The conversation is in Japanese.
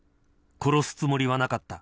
殺すつもりはなかった。